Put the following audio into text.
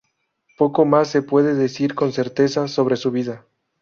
Poco más se puede decir con certeza sobre su vida.